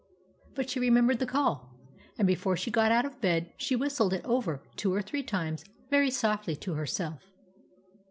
But she remembered the call, and be fore she got out of bed she whistled it over two or three times very softly to herself.